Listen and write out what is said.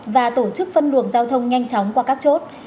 và tổ chức phân luồng giao thông nhanh chóng qua các chốt